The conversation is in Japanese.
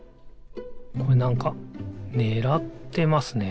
これなんかねらってますね。